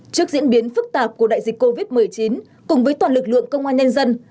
trước diễn biến phức tạp của đại dịch covid một mươi chín cùng với toàn lực lượng công an nhân dân